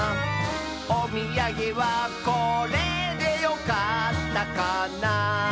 「おみやげはこれでよかったかな」